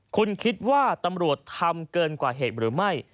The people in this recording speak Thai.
คุณคิดว่าตำรวจทำเกินกว่าเหตุหรือไม่